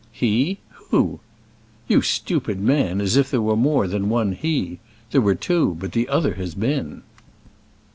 "He? who?" "You stupid man as if there were more than one he! There were two, but the other has been."